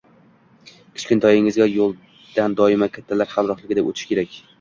Kichkintoyingizga yo‘ldan doimo kattalar hamrohligida o‘tish kerak